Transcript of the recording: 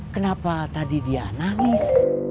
kenapa tadi dia nangis